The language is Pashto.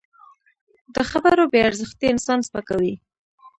د خبرو بې ارزښتي انسان سپکوي